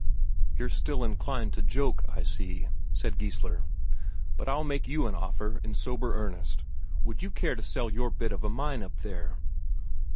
"You're still inclined to joke, I see," said Geissler. "But I'll make you an offer in sober earnest: would you care to sell your bit of a mine up there?"